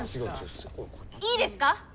いいですか？